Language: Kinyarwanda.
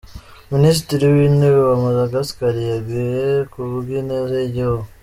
Minisitiri w’ Intebe wa Madagascar yeguye ku bw’ ineza y’ igihugu.